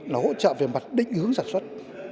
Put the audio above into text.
là hỗ trợ về mặt định hướng sản xuất